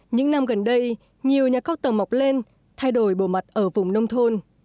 những năm gần đây nhiều nhà cóc tầm mọc lên thay đổi bộ mặt ở vùng nông thôn